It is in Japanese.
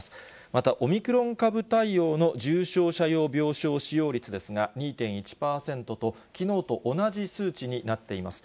またオミクロン株対応の重症者用病床使用率ですが、２．１％と、きのうと同じ数値になっています。